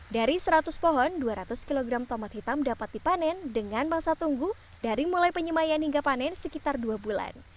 dari seratus pohon dua ratus kg tomat hitam dapat dipanen dengan masa tunggu dari mulai penyemayan hingga panen sekitar dua bulan